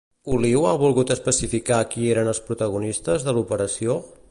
Oliu ha volgut especificar qui eren els protagonistes de l'operació?